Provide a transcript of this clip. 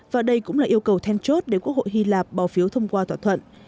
và đây cũng là yêu cầu then chốt để quốc hội hy lạp bỏ phiếu thông qua thỏa thuận